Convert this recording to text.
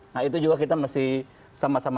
nah itu juga kita mesti sama sama